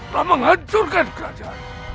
tak menghancurkan kerajaan